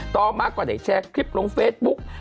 ต่อมาก็ได้แชร์คลิปลงเฟซบุ๊ก